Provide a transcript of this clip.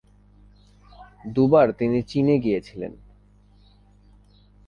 দুবার তিনি চিনে গিয়েছিলেন।